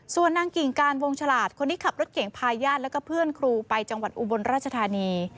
ส่วนนางกิ่งการวงฉลาดคนที่ขับรถเก่งพาญาติแล้วก็เพื่อนครูไปจังหวัดอุบลราชธานี